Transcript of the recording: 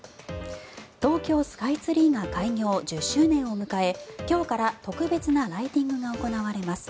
東京スカイツリーが開業１０周年を迎え今日から特別なライティングが行われます。